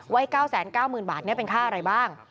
ว่า๙๙๐๐๐๐บาทนี่เป็นค่าอะไรบ้าง